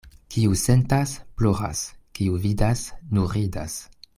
Kiu sentas — ploras, kiu vidas — nur ridas.